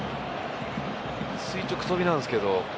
垂直跳びなんですけど。